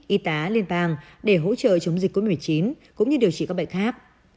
y tá liên bang để hỗ trợ chống dịch covid một mươi chín cũng như điều trị các bệnh khác